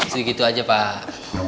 sini gitu aja pak